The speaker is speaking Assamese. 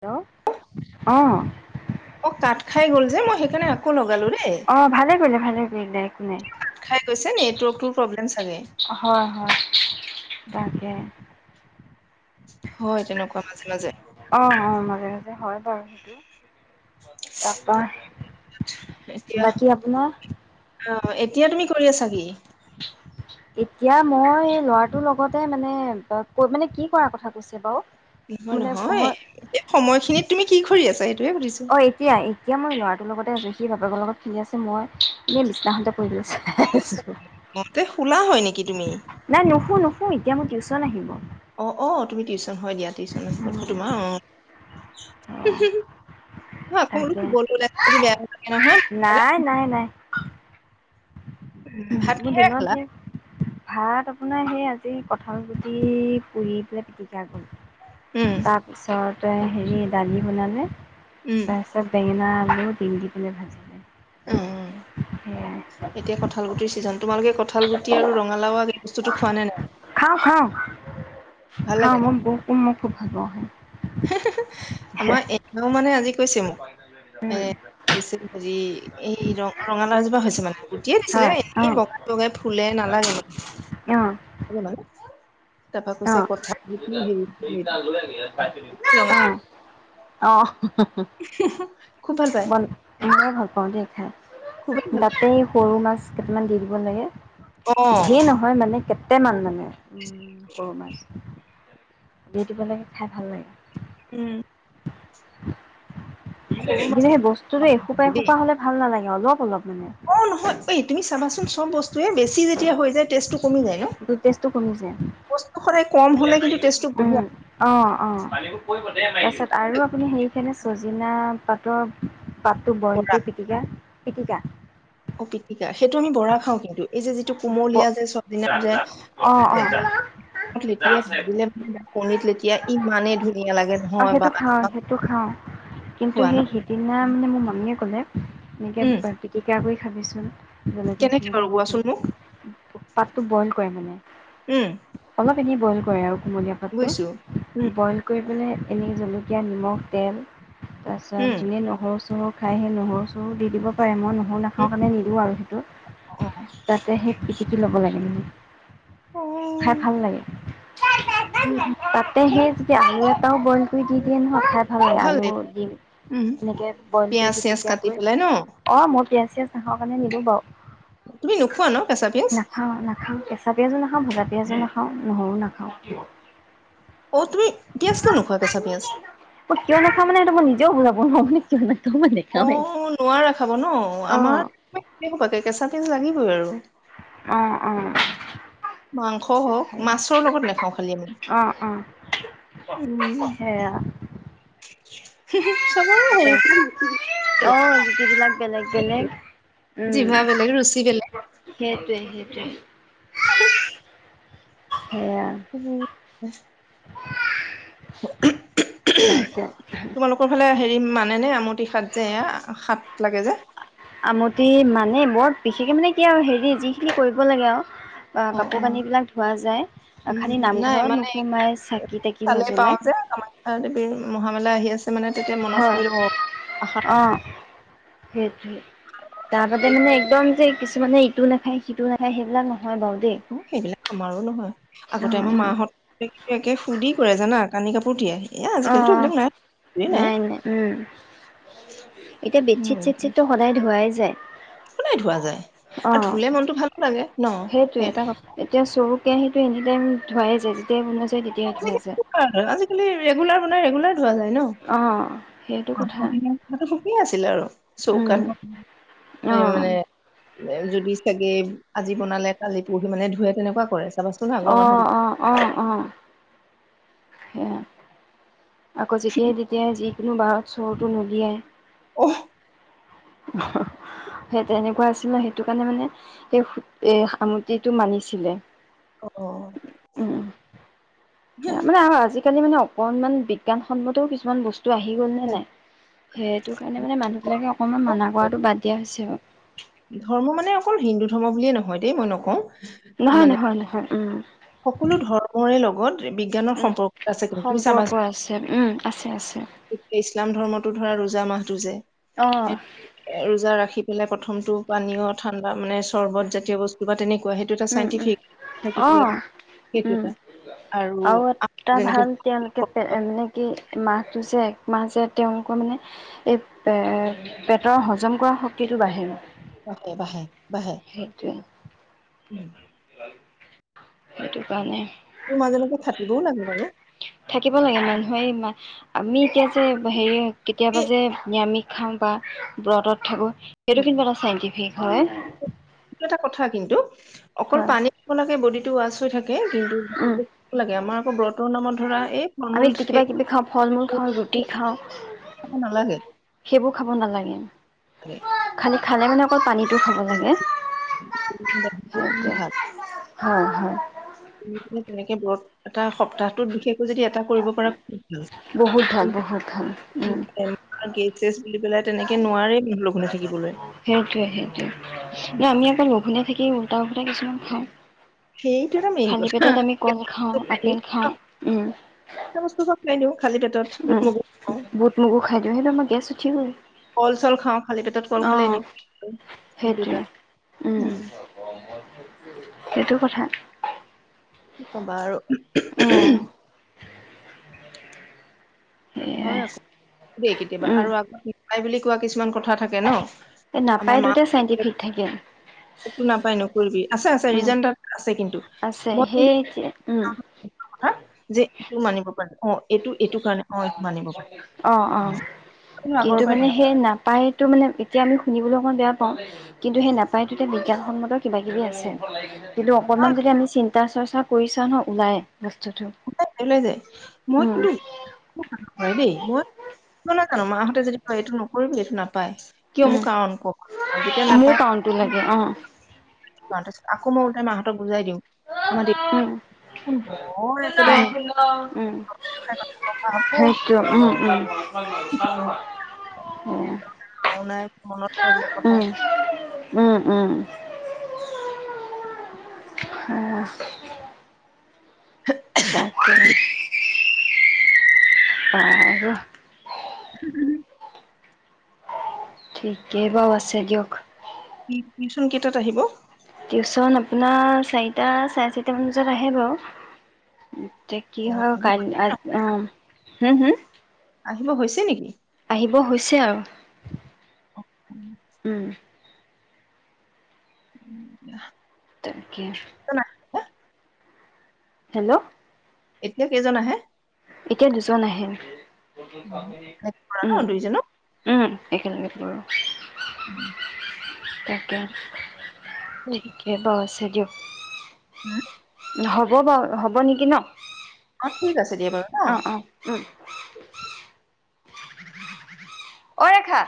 হেল্ল' অঁ। অ কাট খাই গ'ল যে মই সেইকাৰণে আকৌ লগালো দেই, অ', ভালে কৰিলে ভালে কৰিলে একো নাই। কিয় কাট খাই গৈছে নেটৰ্কটোৰ প্ৰব্লেম চাগে। হয় হয় তাকে। হয় তেনেকুৱা মাজে মাজে। অঁ অঁ মাজে মাজে হয় বাৰু সেইটো, তাৰপৰা এতিয়া অঁ এতিয়া তুমি কৰি আছা কি? [inaudible] এতিয়া মই লৰাটোৰ লগতে মানে ক মানে কি কৰাৰ কথা কৈছে বাৰু? নহয় মানে নহয় মই এই সময়খিনিত তুমি কি কৰি আছা সেইটোৱে সুধিছোঁ? অ', এতিয়া এতিয়া মই ল'ৰাটোৰ লগতে আছোঁ, সি বাপেকৰ লগত খেলি আছে মই এনেই বিছনাখনঁতে পৰি লৈ চাই আছোঁ। মতে শুলা হয় নেকি তুমি? নাই নুশু নুশু এতিয়া মোৰ টিউশচন আহিব। অ অ তুমি টিউশচন হয় দিয়া টিউশচন আহিব নহয় উম, তোমাৰ অঁ। তাকে নাই [unintelligible] নাই নাই উম ভাত মোৰ কিহেৰে খালা দিনত হে ভাত আপোনাৰ সেই আজি কঁঠাল গুটি পুৰি পেলাই পিটিক কা উম কৰিলোঁ, তাৰপিছতে হেৰি দালি বনালে উম ছত বেঙনা আলু ভিন দি পেলাই ভাজি উম, এতিয়া কঠাল গুটিৰ ছিজন। তোমালোকে কঁঠাল গুটি আৰু ৰঙালাওঁ, এই বস্তুটো খোৱা নে নাই? খাওঁ খাওঁ, ভাল খাওঁ, লাগে ন মই ব মই খুব ভাল পাওঁ, হ'য়। [unintelligible] আমাৰ এওঁ মানে আজি কৈছে মোক। উম। [unintelligible] হেৰি এই ৰা ৰঙালাওঁ, এজোপা হৈছে মানে গুটিয়ে হয় দিছিলে এনে অ'। ব বগাই ফুলে নালাগে। অ'। জানা, তাৰপা কৈছে অ', কথা কি হেৰি কৰি দিম। ৰঙালাও [unintelligible] অ'। [unintelligible] বন, [unintelligible] ভাল পাওঁ দে খাই, খুবেই ভাল পায়। তাতে সৰু মাছ কেইটামান দি দিব লাগে, অ ধেৰ নহয় মানে কেইটামান মানে। সৰু মাছ, দি দিব লাগে, খাই ভাল লাগে। উম। সৰু কিন্তু মাছটো সেই বস্তুটো এসোপা দেই এসোপা হ'লে ভাল নালাগে, অলপ অলপ মানে। অ', নহয় এই তুমি চাবাচোন চব বস্তুৱে বেছি যেতিয়া হৈ যায়, টেষ্টটো কমি যায় ন। উম, টেষ্টটো কমি যায়। ব‌স্তু সদায় কম হ'লে, কিন্তু টেষ্টটো বঢ়িয়া উম অ', অ', তাৰপাছত আৰু আপুনি সুনিছে চজিনা পাতৰ পাতটো বইল বৰা কৰি পিটিকা, পিটিকা। অ', পিটিকা সেইটো আমি বৰা খাওঁ কিন্তু এই যে এইটো অ কুমলীয়া যে চজিনাৰ যে, অ যে লেতিয়াই ভাজিলে মানে, কণিত লেতিয়াই ইমানে ধুনীয়া লাগে নহয় বা অ', সেইটো খাওঁ। কিন্তু খোৱা ন সেই সিদিনা মানে মোৰ মামীয়ে ক'লে এনেকে উম পিটিকা কৰি খাবিচোন জলকীয়া কেনেকে বাৰু চলকীয়া দি কোৱাচোন পেলাই। মোক পাতটো ব‌ইল কৰে মানে, উম অলপ এনে বইল কৰে আৰু কুমলীয়া বুজিছো পাতটো উম বইল কৰি পেলাই, এনেই জলকীয়া নিমখ তেল উম তাৰপিছত যোনে নহৰু চহৰু খায়, সেই নহৰু চহৰু দি দিব হয়, মই নহৰু উম নাখাওঁ কাৰণে নিদো আৰু সেইটো। [unintelligible] তাতে সেই পিটিকি ল'ব লাগে মানে, অ খাই ভাল লাগে উম উম। তাতে সেই যদি আলু এটাও বইল কৰি দি দিয়ে ন হঠাৎ ভাল আলু লাগিব দিম, উম এনেকে বইল কৰি পিয়াজ চিয়াজ পিটিকা কাটি কৰি পেলাই ন অ', মই পিয়াজ চিয়াজ নাখাওঁ কাৰণে নিদো বাৰু। তুমি নোখোৱা ন কেঁচা পিয়াঁজ? অ', নাখাওঁ, কেঁচা পিয়াজো নাখাওঁ, ভজা পিয়াজো নাখাওঁ, নহৰু নাখাওঁ। অ', তুমি পিয়াজ, কিয় নোখোৱা কেঁছা পিয়াঁজ? কিয় নাখাওঁ মানে এইটো মই নিজেও বুজাব নোৱাৰো। নাখাওঁ মানে। অ', নোৱাৰা খাব ন আমাৰ [unintelligible] কেঁচা পিয়াঁজ লাগিবই আৰু। অ', অ'। মাংস হওঁক, মাছৰ লগত নাখাওঁ খালি আমি। অ' অ'। উম। সেয়া চবৰে হয় অ' জুতি বিলাক বেলেগ বেলেগ উম'। জিভা বেলেগ ৰুচি বেলেগ। সেইটোৱে, সেইটোৱে। [unintelligible] সেয়া। উম'। [unintelligible] তোমালোকৰ ফালে হেৰি মানেনে আমুটি শাক যে এয়া, শাক লাগে যে? আমটি মানে বৰ বিশেষ মানে কি আৰু হেৰি যিখিনি কৰিব লাগে আও। অ', কাপোৰ অ'। কানিবিলাক ধোৱা যায়, উম, খালি নাই নামঘৰত মানে নোসোমাই চাকি তাকি চালেই পাওঁ নজ্বলায়। যে [unintelligible] মহামেলা আহি আছে। মানে তেতিয়া মনত হয় পৰিল অ' আষাৰ অঁ সেইটোৱে। তাৰবাদে মানে একদম যে কিছুমানে ইটো নাখায়, সিটো নাখায় সেইবিলাক নহয় বাৰু দেই। সেইবিলাক আমাৰো নহয়, আগতে অ', আমাৰ অ', মাহত সুধি কৰে জানা, কানি কাপোৰ তিয়াই। অ' নাই নাই উম' এতিয়া উম, বেতচিত চেটচিত ত সদায় ধোৱাই যায়। সদাই ধোৱা যায়, আৰু অ', ধুলে মনটো ভাল লাগে ন। সেই এটা কথা সেইটোৱে এতিয়া চৰু কেৰাহীটো এনি টাইম ধুৱাই যায়, যেতিয়াই মন যায় তেতিয়াই ধুৱাই যায়। আজিকালি আজিকালি ৰেগুলাৰ বনাই, ৰেগুলাৰ ধোৱা যায় ন। অ', সেইটো কথা হেঁতে সুখি আছিল আৰু, উম, চৌকাত এ অ', মানে যদি চাগে আজি বনালে কালি পৰসি মানে ধুৱে তেনেকুৱা কৰে চাগে। অ' অ' অ' অ'। সেয়া আকৌ যেতিয়াই তেতিয়াই যিকোনো বাৰত চৰুটো নুলিয়াই। অ'। [unintelligible] সেই তেনেকুৱা আছিলে, সেইটো কাৰণে মানে সেই সামটিটো মানিছিলে। অ' অ'। সে মানে আৰু আজিকালি মানে অকনমান বিজ্ঞান সন্মতও কিছুমান বস্তু টো আহি গ'ল নে নাই, সেইটো কাৰণে মানে মানুহ বিলাকে অকমান মানা কৰাটো বাদ দিয়া হৈছে আৰু। ধৰ্ম মানে অকল হিন্দু ধৰ্ম বুলিয়ে নহয় দেই মই নকওঁ। নহয়, মানে নহয়, নহয় উম'। সকলো ধৰ্মৰে লগত বি বিজ্ঞানৰ উম সম্পৰ্ক আছে তুমি সম্পৰ্ক আছে উম আছে আছে চাবাচোন। গতিকে ইছলাম ধৰ্মটো ধৰা ৰোজা মাহটো যে। অ। এ ৰোজা ৰাখি পেলাই প্ৰথমটো পানীয় ঠাণ্ডা মানে চৰ্বত জাতীয় বস্তু বা তেনেকুৱা হে টো এটা উম উম চাইণ্টিফিক থাকি অ সেইটো উম এটা আৰু [unintelligible] যেনেকে এনেকে মাহটো যে এক মাহ যে তেওঁলোকৰ মানে এ পেটৰ হজম কৰা শক্তিটো বাঢ়ে। বাহে, বাহে, বাহে সেইটোৱে উম'। সেইটো কাৰণে তোৰ মাজে মাজে খাটিবও লাগে বাৰু। থাকিব লাগে মানুহে ই মা আমি এতিয়া যে হেৰি কেতিয়াবা এই যে নিৰামিষ খাম বা ব্ৰতত থাকো সেইটো এইটো কিন্তু এটা চাইণ্টিফিক হয়। সেইটো এটা কথা কিন্তু অকল হয় পানী [unintelligible] লাগে বদিটো ৱাচ টো থাকে কিন্তু উম [unintelligible] লাগে আমাৰ আকৌ ব্ৰতৰ নামত ধৰা এই ফল আমি মূল তি কিবা সেই কিবি খাওঁ, ফল মূল খাওঁ, ৰুটি খাওঁ। খাব নালাগে সেইবোৰ খাব নালাগে। [unintelligible] খালী খালে মানে অকল পানীটো খাব লাগে। সেইটোৱে [unintelligible] হয়' হয়। [unintelligible] তেনেকে ব্ৰত টা সপ্তাহটোত বিশেষকৈ যদি এটা কৰিব পৰা [unintelligible] বহুত ভাল বহুত ভাল [unintelligible] উম বুলি পেলাই তেনেকে নোৱাৰে লঘোনে থাকিবলৈ। সেইটোৱে সেইটোৱে, না আমি আকৌ লঘুনে থাকি উলটা ফুলটা কিছুমান খাওঁ। সেইটো এটা মেইন খালী পেটত আমি কল খাওঁ, আপেল কথা খাওঁ উম। [unintelligible] বস্তু চব খাই লও, খালি পেটত বুট উম মগু খাওঁ। বুট মগু খাই দিওঁ সেইটো আমাৰ গেছ উঠিবৈ। কল চল খাও খালী পেটত কল খালে এনে [unintelligible] সেইটো সেইটোৱে এটা উম। [unintelligible] সেইটো কথা। কি কবা আৰু উ উহ উহু। উম হয় সেয়াই আকৌ দেই কেতিয়াবা আৰু [unintelligible] বুলি কোৱা কিছুমান কথা থাক এ নাপায় টুটে চাইণ্টিফিক থাকে। একো নাপায় নকৰিবি আছে আছে উম ৰিজন তাত আছে কিন্তু। আছে সেই [unintelligible] উম। হা যে এইটো মানিব পাৰে অ এইটো এইটো কাৰণে অ' এইটো মানিব পাৰি অ', অ আগৰ পৰাই তেন এ নাপায় তো মানে এতিয়া আমি শুনিবলৈ অকণ বেয়া পাওঁ। কিন্তু সেই নাপায়তোতে বিজ্ঞানসন্মত কিবা কিবি আছে। কিন্তু অকণমান কাৰণ যদি আমি চিন্তা চৰ্চা কৰি চাওঁ ন ওলায় বস্তুটো। [unintelligible] মই উম কিন্তু [unintelligible] কাম কৰে দেই, মই [unintelligible] নাজানো মাহঁতে যদি কয় এইটো নকৰিবি এইটো নাপায়। কিয় মোক কাৰণ কওঁক? অ যেতিয়া নাপা তো লাগে অ'। [unintelligible] আকৌ মই ওলোতাই মাঁহতক বুজাই দিওঁ। আমাৰ উম [unintelligible] বৰ একেবাৰে উম [unintelligible] [unintelligible] উম উম। [unintelligible] ভাও নাই অ মনত পৰে এইবিলাক কথা উম। উম' উম। [unintelligible] তাকে বাৰু। [unintelligible] ঠিকেই বাৰু আছে দিয়ক। টিউচন, কেইটাত আহিব? টিউচন আপোনাৰ চাৰিটা, চাৰে চাৰিটা মান বজাত আহে বাৰু। এতিয়া কি হয় আৰু আহিব কাল, অজি হম, হম, আহিব হৈছে নেকি? আহিব হৈছে আৰু, উম, উম, তাকে। [unintelligible] হেল্ল, এতিয়া কেইজন আহে? এতিয়া দুজন আহে অ' কৰা ন উম, দুইজন অ উম, একেলগে কৰো। উম, তাকে ঠিকেই বাৰু আছে দিয়ক। উম, হ'ব বাৰু, হ'ব নেকি ন? অ, ঠিক আছে দিয়া বাৰু ন, হম, অই, ৰেখা